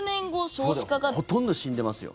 ほとんど死んでますよ。